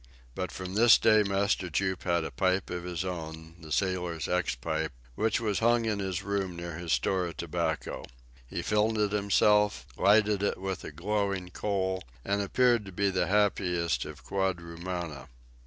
But from this day Master Jup had a pipe of his own, the sailor's ex pipe, which was hung in his room near his store of tobacco. He filled it himself, lighted it with a glowing coal, and appeared to be the happiest of quadrumana.